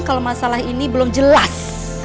kalau masalah ini belum jelas